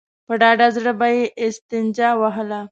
په ډاډه زړه به يې استنجا وهله.